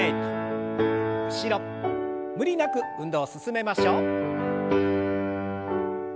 無理なく運動を進めましょう。